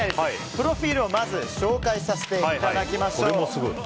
プロフィールをまず紹介させていただきましょう。